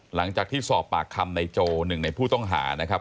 หลังจากที่สอบปากคำในโจหนึ่งในผู้ต้องหานะครับ